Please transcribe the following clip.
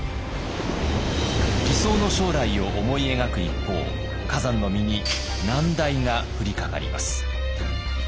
理想の将来を思い描く一方崋山の身に難題が降りかかります。